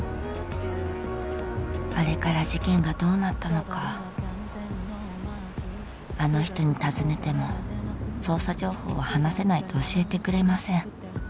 あれから事件がどうなったのかあの人に尋ねても捜査情報は話せないと教えてくれません